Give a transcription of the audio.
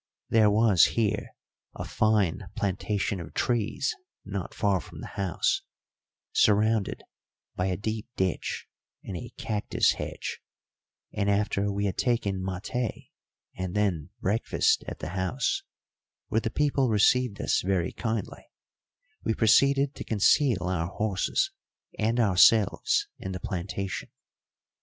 There was here a fine plantation of trees not far from the house, surrounded by a deep ditch and a cactus hedge, and after we had taken maté and then breakfast at the house, where the people received us very kindly, we proceeded to conceal our horses and ourselves in the plantation.